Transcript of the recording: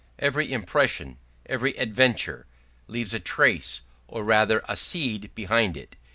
Every impression, every adventure, leaves a trace or rather a seed behind it.